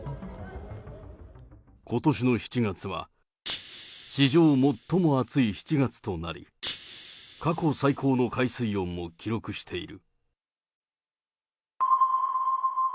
ことしの７月は、史上最も暑い７月となり、過去最高の海水温も記録している。